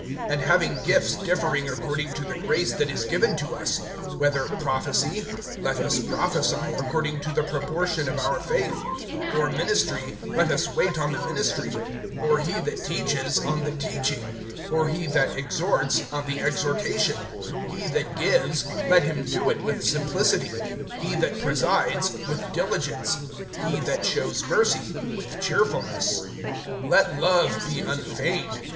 (6)And having gifts differing according to the grace that is given to us, whether prophecy, [let us prophesy] according to the proportion of our faith; (7)or ministry, [let us wait] on the ministry; or he that teaches, on the teaching; (8)or he that exhorts, on the exhortation; he that gives, [let him do it] with simplicity; he that presides, with diligence; he that shows mercy, with cheerfulness. (9)Let love be unfeigned.